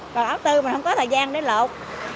còn ấu tư mình không có thời gian để luộc